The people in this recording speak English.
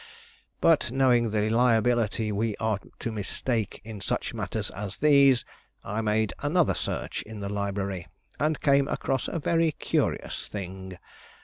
"But knowing the liability we are to mistake in such matters as these, I made another search in the library, and came across a very curious thing.